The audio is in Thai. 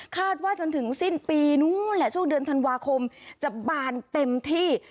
ว่าจนถึงสิ้นปีนู้นแหละช่วงเดือนธันวาคมจะบานเต็มที่